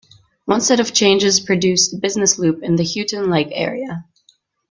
One set of changes produced a business loop in the Houghton Lake area.